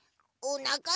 おなか？